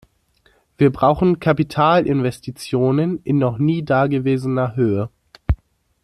Wir brauchen Kapitalinvestitionen in noch nie da gewesener Höhe.